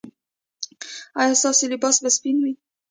ایا ستاسو لباس به سپین وي؟